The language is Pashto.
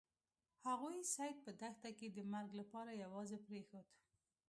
هغوی سید په دښته کې د مرګ لپاره یوازې پریښود.